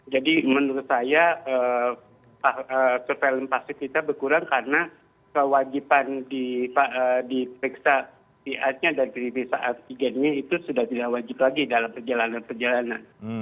jadi menurut saya surveillance pasif kita berkurang karena kewajiban diperiksa siatnya dan periksa artigennya itu sudah tidak wajib lagi dalam perjalanan perjalanan